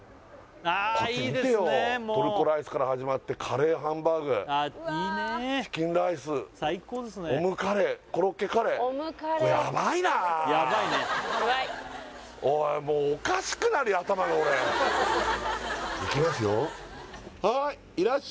こっち見てよトルコライスから始まってカレーハンバーグチキンライスオムカレーコロッケカレーオイもうおかしくなるよ頭が俺あっ！